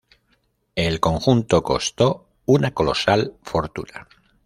El conjunto costó una colosal fortuna.